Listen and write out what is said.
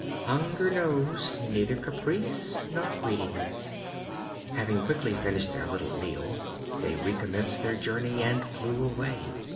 Hunger knows neither caprice nor greediness." Having quickly finished their little meal they recommenced their journey and flew away.